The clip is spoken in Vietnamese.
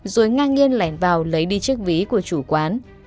rồi ngang nhiên lẻn vào lấy đi chiếc ví của chủ quán